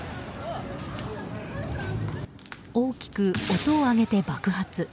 大きく音を上げて爆発。